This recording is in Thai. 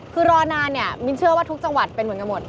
คือรอนานเนี่ยมิ้นเชื่อว่าทุกจังหวัดเป็นเหมือนกันหมด